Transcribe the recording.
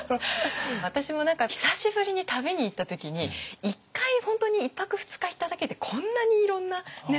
私も何か久しぶりに旅に行った時に１回本当に１泊２日行っただけでこんなにいろんなネタがっていうので。